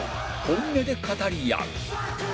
本音で語り合う